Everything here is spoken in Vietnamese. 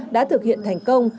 đã thực hiện thành công